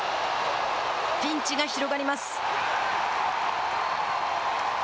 ピンチが広がります。